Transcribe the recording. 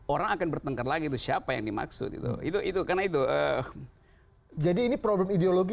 orang akan bertengkar lagi itu siapa yang dimaksud itu itu karena itu jadi ini problem ideologi